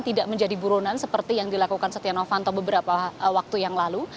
tidak menjadi buronan seperti yang dilakukan setia novanto beberapa waktu yang lalu